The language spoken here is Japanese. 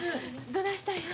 どないしたんや？